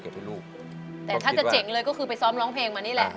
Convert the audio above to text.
ให้ลูกแต่ถ้าจะเจ๋งเลยก็คือไปซ้อมร้องเพลงมานี่แหละ